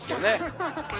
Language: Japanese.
そうかな。